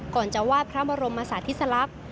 ก่อนจะวาดพระบรมศาสตร์ธิสลักษณ์